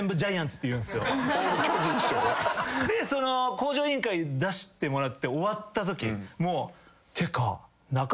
『向上委員会』出してもらって終わったとき。